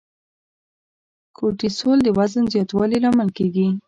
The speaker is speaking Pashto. کورټیسول د وزن زیاتوالي لامل کېږي.